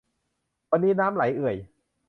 วันนี้น้ำไหลเอื่อย